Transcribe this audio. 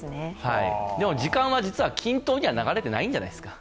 時間は実は均等には流れてないんじゃないですか。